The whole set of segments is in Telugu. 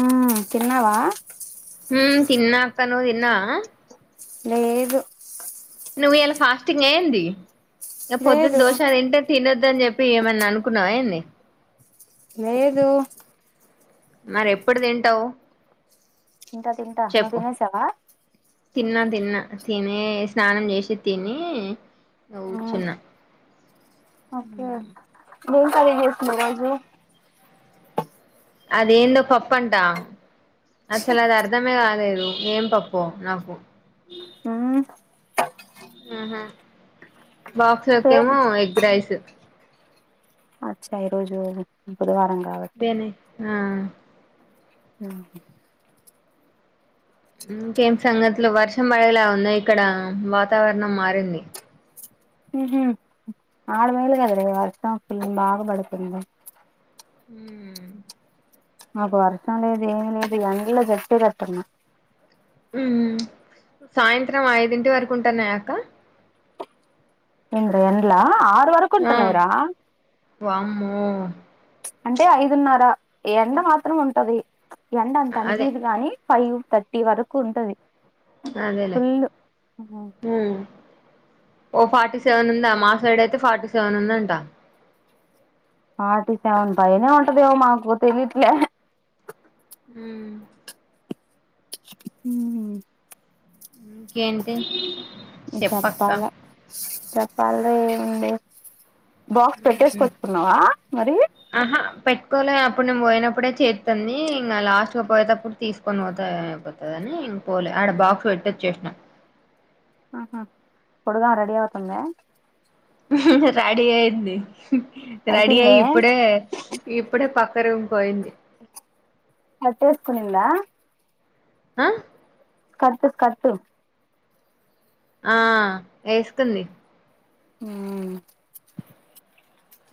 మ్ తిన్నావా మ్ తిన్న అక్క నువ్వు తిన్నావా లేదు నువ్వు ఇలా ఫాస్టింగ్ అహ ఏది ఇక పొద్దున్న లేదు దోశ తంటే తినద్ తీనోడు అని చెప్పి ఏమన్నా అనుకున్నావా ఏది లేదు మరి ఎప్పుడు తింటావు తింటా తింటా నువ్వు చెప్పు తినేసవా తిన్నా తిన్నా తినే స్నానం చేసి తిని ఓ హ్మ్ చిన్న గ్రూప్ ఫైవ్ చేసినవా గ్రూప్ అదేందో పప్పంట అసలు అది అర్ధమే కాలేదు ఏం పప్పు నాకు అ ఆహా బాక్స్ ఏం ఒకక్కేమో ఎగ్ రైస్ అచ్చా ఈ రోజు బుధవారం కాబట్టి బేనే ఆ ఆ ఇంకేం సంగతులు వర్షం పడేలా ఉంది ఇక్కడ వాతావరణం మారింది ఉహు ఆడ మేలు కాద్రే వర్షం ఫుల్ బాగాపడుతుంద హుమ్ మాకు వర్షం లేదు ఏ లేదు ఎళ జట్ కట్టన్నా హౌస్ ఉమ్ సాయంత్రం ఐదింటి వరకు ఉంటున్నాయా అక్క? ఏంద్ర ఎండల ఆ అంత వరకు ఆ ఉంటున్నాయ్ రా వామ్మో ప్చ్ అంటే ఐదున్నర ఎండ మాత్రం ఉంటది. ఎండ అంత అదే అనిపియదు గాని ఫైవ్ థర్టీ వరకు ఉంటది. అదేలే ఫుల్ హుమ్ ఓ ఫార్టీ సెవెన్ ఉందా మా సైడ్ అయితే ఫార్టీ సెవెన్ ఉందంట ఫార్టీ సెవెన్ పైనే ఉంటదేమొ మాకు తెలిట్లే హుమ్ ఉహు ఏంటి? చెప్పాలే చెప్పాల ఏముంది బాక్స్ పెట్టేసుకొచ్చుకున్నావా మరి? ఇప్పుడు నేను పోయినప్పుడే చేస్తుతుంది ఇంక లాస్ట్గా పోయేటప్పుడు తీసుకొని పోతే అయిపోతుందిందని ఇంక పోలే ఆడ బాక్స్ పెట్టొచ్చేసిన ఆహ త్వరగా రెడి అవుతుందా? హ్హ్ రెడీ అయింది రెడీ అయి అయిపోయిందే ఇప్పుడే ఇప్పుడే ప క్కరు పోయింది. స్కర్ట్ వేసుకునిందా? ఆ స్కర్ట్ స్కర్ట్ ఆ వేసుకుంది ఉ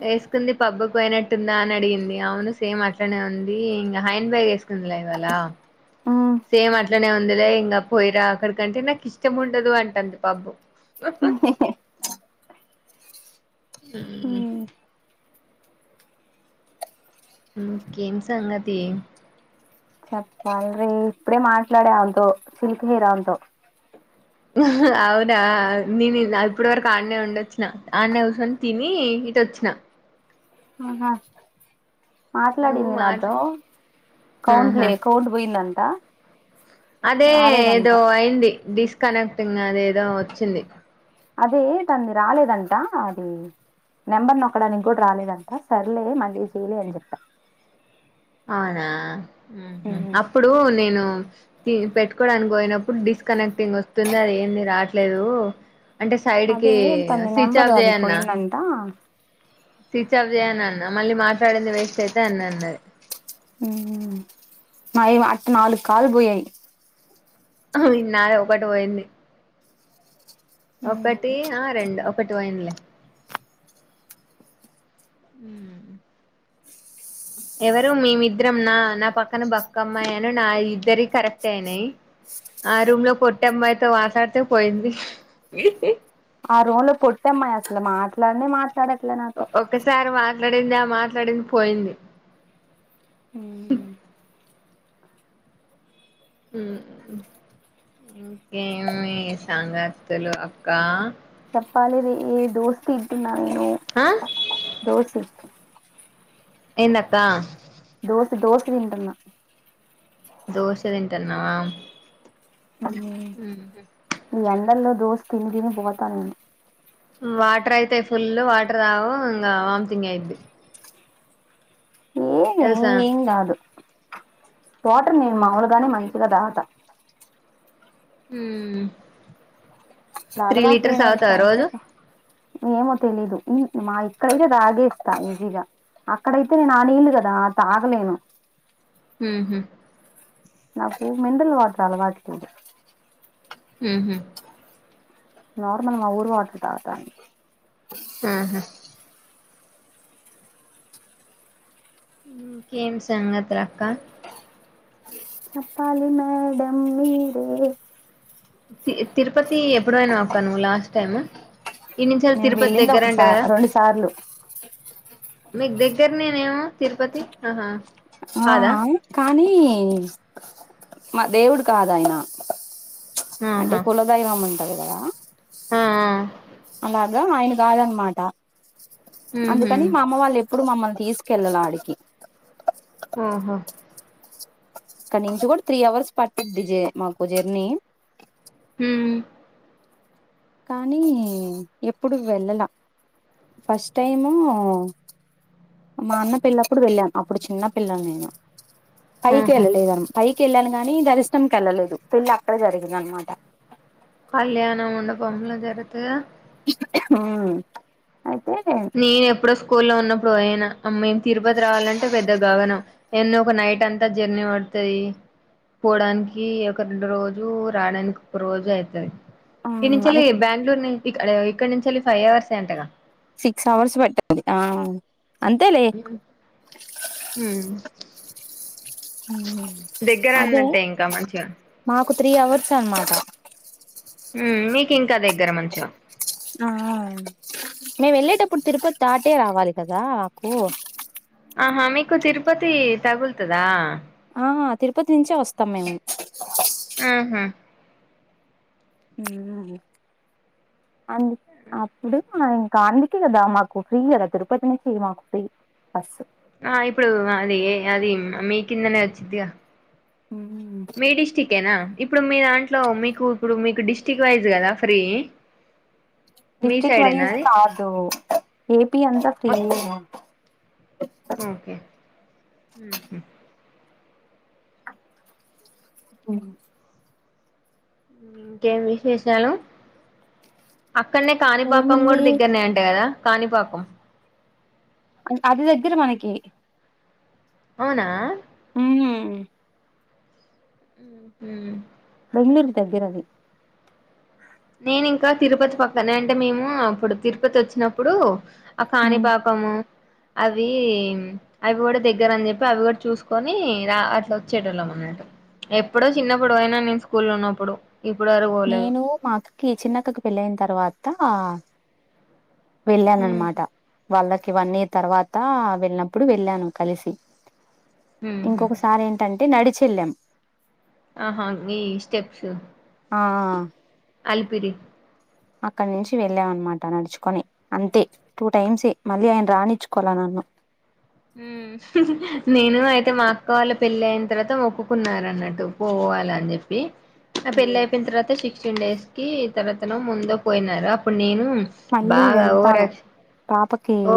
వేసుకుంది పబ్బకు పోయినట్టుందా అని అడిగింది. అవును సేమ్ అట్లనే ఉంది ఇంగా హైన్ బాగ్ వేసు కుంది లేవాల సేమ్ అట్లనే ఉందులే ఇంగ పోయిరా అక్కడికంటే నాకు ఇష్టం ఉండదు అంటుంది పాపం. ఊహ్హ్ ఉ ఇంకేం సంగతి చెప్పాలరి ఇప్పుడే మాట్లాడే ఆళ తో సిల్క్ హీరాతో హ్హ్ అవునా నేను ఇలప్పుడు వరకు ఆడనే ఉండొచ్చున ఆడనే కూర్చొని తిని ఇటు వచ్చిన ఆహా నువ్వు మాట్లాడింది నాతో మాట్లా ఆహా కౌంట్లే కౌంట్ పోయింద అంత అదే ఏదో అయింది డిస్కనెక్టింగ్ అది ఏదో వచ్చింది. అదే తన్ని రాలేదంటా అది నెంబర్ నొక్కడానికి కూడా రాలేదంతా సర్లే మళ్ళీ చూ లే అని చెప్పా అవునా ఉహూ అప్పుడు నేను ది పెట్టుకోవడానికి పోయినప్పుడు డిస్కనెక్టింగ్ వస్తుంది, అది ఏంది రావట్లేదు. అంటే సైడ్ కి అదే తనది స్విచ్ నెంబర్ ఆఫ్ అది చేయన్న పోయిందంట స్విచ్ ఆఫ్ చేయన అన్న మళ్ళీ మాట్లాడింది వేస్ట్ అయితే అన్న అన్నది. ఉహు మైవ అటు నాలుగు కాల్ పోయాయి. నాది ఒక్కటి పోయింది. ఒకటి ఆ రెండు ఒకటి పోయిందిలే ఉ ఎవరు మేమిద్దరం నా నా పక్కన బక్క అమ్మాయిను నా ఇద్దరి కరెక్ట్ అయినాయి ఆ రూమ్ లో పొట్టి అమ్మాయితో మాట్లాడితే పోయింది ఆ రూమ్ లో పొట్టి అమ్మాయి అసలు మాట్లాడనే మాట ఒకసారి మాట్ మాట్లాడింది ఆ మాట్లాడింది పోయింది ఉ ఇంకేమి సంగతులు అక్క చెప్పాలి ఈ దోస తింటున్నా నేను ఆ దోస ఏందక్క దోస దోస తింటున్న దోశ తింటన్నావా ఈ ఎండల్లో దోశ తిని తిని పోతా నేను వాటర్ అయితాయి ఫుల్ వాటర్ రావు ఇంకా వామ్థంగ్ అయిది ఏమి ఏం కాదు వాటర్ నేను మాములుగానే మంచిగానే తాత ఉ అలవాటు లేని వాళ్ళు తాగితే రోజు ఏమో తెలీదు ఇ మా ఇక్కడైయితే తగే ఇస్తా ఈజీగా అక్కడైతే నేను ఆ నీళ్లు కదా తాగలేను ఉహు నాకు మినరల్ వాటర్ అలవాట్టు ఉహు నార్మల్ మా ఊరు వాటర్ తాగుతా ఉహు ఇంకేంటి సంగతులు అక్క చెప్పాలి మేడంమ్ మీరే తి తిరుపతి ఎప్పుడు పోయినవ్ అక్క నువ్వు లాస్ట్ టైమ్ ఇన్ని సార్ నేను తిరుపతి వెళ్ళింది దగ్గర అంట ఒకసారి కదా రెండు సార్లు మీకు దగ్గర ద్గర్నినేమో తిరుపతి ఆహా ఆ కాదా కానీ మా దేవుడు కాదు ఆయన అంటే ఆహా కులదైవం అంటారు కదా ఆ ఆ అలాగా ఆయన కాదనమాట ఉహు అందుకని మా అమ్మ వాళ్ళు ఎప్పుడు ఇప్పుడు మమ్మల్ని తీసుకెళ్ళాలలా ఆడికి ఆహా ఇక్కడ నుంచి కూడా త్రీ అవర్స్ పట్టిద్ది జ మాకు జర్నీ ఉమ్మ్ కానీ ఎప్పుడు వెళ్ళల ఫస్ట్ టైము మా అన్న పెళ్లి అప్పుడు వెళ్ళాను అప్పుడు చిన్నపిల్ల నేను పైకి ఆహా ఎలాలేదు పైకి ఇల్ కానీ దర్శనంకీ వెళ్ళలేదు పెళ్లి అక్కడే జరిగిందీ అనమాట కళ్యాణం మండపంలో జరత ఆ నేను ఎప్పుడో స్కూల్లో లో ఉన్నప్పు ఇప్పుడు వోయినా మేము తిరుపతి రావాలంటే పెద్ద గగనం ఎన్నో ఒక నైట్ అంతా జర్నీ పడుతాయి. పోవడానికి ఒక రెండు రోజు రావడానికి ఒక రోజు అయితది. ఈ నుంచి అది బెంగళూరు ఇ ఇక్కడ నుంచి ఫైవ్ అవర్స్ ఏ అంటగా సిక్స్ అవర్స్ పెట్టండి ఆ అంతేలే మ్ ఉమ్ దగ్గర అదే అన్నట్టే ఇంకా మంచిగా మా ఒక త్రీ అవర్స్ అన్మాట మ్ మీకు ఇంకా దగ్గర మంచిగా ఆహ మేము వెళ్ళేటప్పుడు తిరుపతి దాటే రావాలి కదా కు ఆహా మీకు తిరుపతి తగులుతదా? ఆహ తిరుపతి నుంచే వస్తాం మేము ఆహా నిజమే అ అందు అప్పుడే ఇంకా అందుకే కదా మాకు ఫ్రీ కదా తిరుపతి నుంచి మాకు ఫ్రీ బస్సు ఆ ఇప్పుడు అది అది మీ కిందనే వచ్చిదిగా మీ డిస్టికెనా ఇప్పుడు మీరన్ ట్లో మీకు ఇప్పుడు మీకు డిస్టిక్ వైజ్ కదా ఫ్రీ మీ డిస్ట్రిక్ట్ సైడేనా వైజ్ అది కాదు ఏపి అంతా ఫ్రీయె మొత్తం ఓకే ఉహు అ ఇంకే విశేషాలు? అక్కడనే కాణిపాకం ఏముంది కూడా దగ్గరనే అంట కదా కాణిపాకం అది దగ్గర మనకి అవునా హ్మ్మ్ ఉహు బెంగళూరు దగ్గరది నేను ఇంకా తిరుపతి పక్కనే అంటే మేము అప్పుడు తిరుపతి వచ్చినప్పుడు అ కాణిపాకం అవి అవి కూడా దగ్గర అని చెప్పి అవి కూడా చూసుకొని రా అట్లా వచ్చేటోళ్ళం అన్నట్టు. ఎప్పుడో చిన్నప్పుడు పోయినా నేను స్కూల్ ఉన్నప్పుడు ఇప్పుడు వరు పోలేదు. కె చిన్నక్కకి పెళ్ళయిన తర్వాత ఉమ్ వెళ్ళాననమాట వాళ్ళకి వన్ ఇయర్ తర్వాత వెళ్ళినప్పుడు వెళ్ళాను కలిసి ఉహు ఇంకొకసారి ఏంటంటే నడిచల్లెం ఆహా ఈ స్టెప్స్ ఆ అలిపిరి అక్కడ నుంచి వెళ్ళాం అనమాట నడుచుకొని అంతే టూ టైమ్సే మళ్ళీ ఆయన రాణచ్చుకోల నన్ను అ మ్ హ్హ్ నేను అయితే మా అక్క వాళ్ళ పెళ్ళి అయిన తర్వాత మొక్కుకున్నార అన్నట్టు పో వాలని చెప్పి ఆ పెళ్లి ఉమ్ అయిపోయిన తర్వాత సిక్స్టీన్ డేస్ కి తర్వాతను ముందు పోయినారు అప్పుడు నేను మళ్ళీ బాగా వెళ్తాను ఓవరాక్షన్ పాపకి ఓ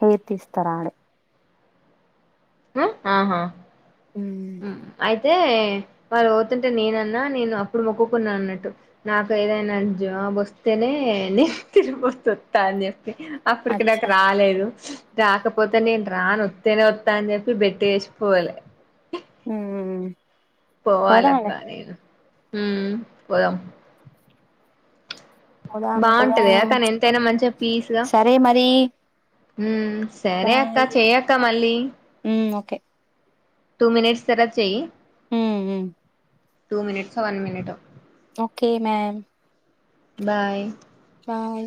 హెయిర్ తీస్తారు ఆడే ఉ ఆహా ఉమ్ మ్ ఆ తే వాళ్ళు పోతుంటే నేనన్నా నేను అప్పుడు మొక్కుకున్నా అన్నట్టు నాకు ఏదైనా జాబ్ బస్తేనే ని తిరు బస్త వస్తా అని చే అప్పటికి నాకు అచ్చా రాలేదు రాకపోతే నేను రాను వస్తేనే త్తా అని చెప్పి బెట్ వేసిపోలే ఉహు పోవాల అక్క నేను ఊ పోదం పోదాం బాగుంటది పోదాం కానీ ఎంతైనా మంచిగా పీస్గా సరే మరి హూ సరే అక్క బాయ్ చెయక్క మళ్ళీ ఉమ్ ఓకే టూ మినిట్స్ తరువా చెయ్యి ఉ ఉ టూ మినిట్స్ వన్ మినిట్ ఓ ఓకే మ్యామ్ బాయ్ బాయ్